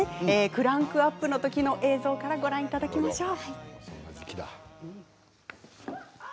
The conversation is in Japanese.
クランクアップの時の映像からご覧いただきましょう。